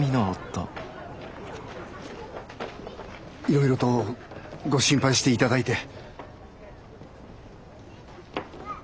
いろいろとご心配していただいて。